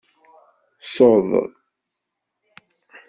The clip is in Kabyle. Suḍ.